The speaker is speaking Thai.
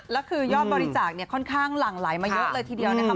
แล้วคือยอดบริจาคเนี่ยค่อนข้างหลั่งไหลมาเยอะเลยทีเดียวนะครับ